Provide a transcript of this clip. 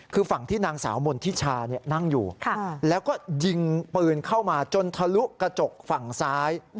คือฝั่งที่นางสาวมณฑิชานั่งอยู่แล้วก็ยิงปืนเข้ามาจนทะลุกระจกฝั่งซ้าย